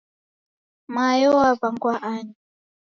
Mayo waw'angwa ani?